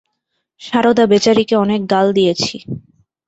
সারদা বেচারীকে অনেক গাল দিয়েছি।